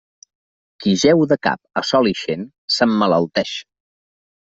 Qui jeu de cap a sol ixent, s'emmalalteix.